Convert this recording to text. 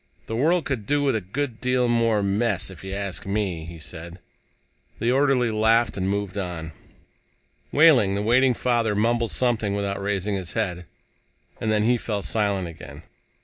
"The world could do with a good deal more mess, if you ask me," he said. The orderly laughed and moved on. Wehling, the waiting father, mumbled something without raising his head. And then he fell silent again.